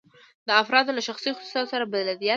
د افرادو له شخصي خصوصیاتو سره بلدیت.